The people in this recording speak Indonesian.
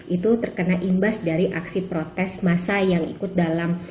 itu terkena imbas dari aksi protes masa yang ikut dalam